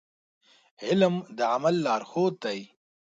علم د عمل لارښود دی.